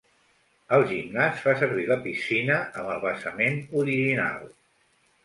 El gimnàs fa servir la piscina amb el basament original.